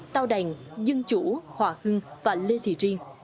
tàu đành dân chủ hòa hưng và lê thị riêng